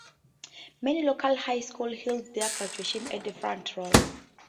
Many local high schools held their graduations at the Front Row.